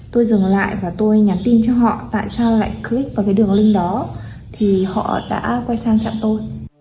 tôi dừng lại và tôi nhắn tin cho họ tại sao lại click vào cái đường link đó thì họ đã quay sang chặn tôi